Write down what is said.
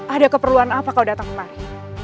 ada keperluan apa kau datang kemari